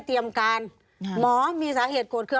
มีความรู้สึกว่ามีความรู้สึกว่า